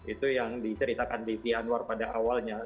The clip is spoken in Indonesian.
itu yang diceritakan desi anwar pada awalnya